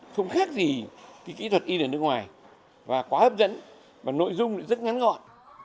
không khác gì cái kỹ thuật y để nước ngoài và quá hấp dẫn và nội dung rất ngắn ngọn